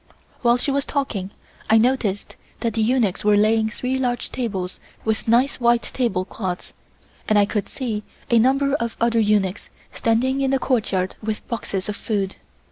While she was talking I noticed that the eunuchs were laying three large tables with nice white table cloths, and I could see a number of other eunuchs standing in the courtyard with boxes of food.